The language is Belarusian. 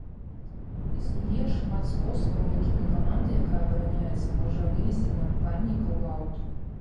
Існуе шмат спосабаў, якімі каманда, якая абараняецца, можа вывесці нападніка ў аўт.